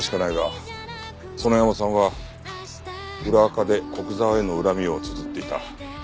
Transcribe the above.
園山さんは裏アカで古久沢への恨みをつづっていた。